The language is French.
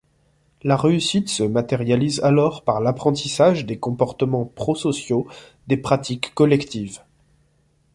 La réussite se matérialise alors par l’apprentissage des comportements prosociaux, des pratiques collectives.